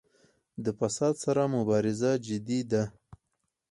د فساد سره مبارزه جدي ده؟